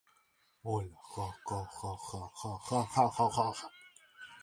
Shi alegó que siempre ha estado preparado para morir.